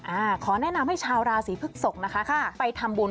อ่าขอแนะนำให้ชาวราศีพฤกษกนะคะค่ะไปทำบุญ